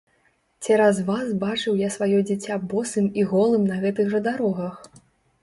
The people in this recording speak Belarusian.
Цераз вас бачыў я сваё дзіця босым і голым на гэтых жа дарогах!